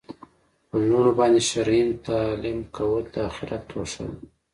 په لوڼو باندي شرعي تعلیم کول د آخرت توښه ده